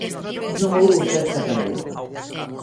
Non houbo festa para el.